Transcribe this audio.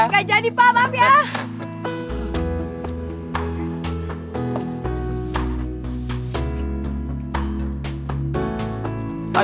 gak jadi pak maaf ya